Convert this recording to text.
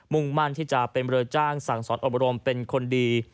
่งมั่นที่จะเป็นเรือจ้างสั่งสอนอบรมเป็นคนดี